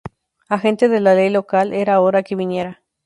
Agente de la ley local. Era hora que viniera.